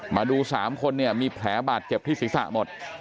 มาดู๓คนเนี่ยมีแผลบาดเจ็บที่ศีรษะหมด